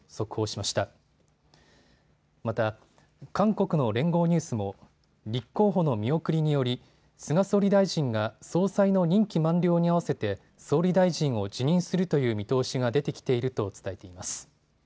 また韓国の連合ニュースも立候補の見送りにより菅総理大臣が総裁の任期満了に合わせて総理大臣を辞任するという見通しが出てきていると伝えています。